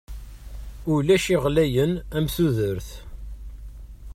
Ulac i iɣlayen am tudert.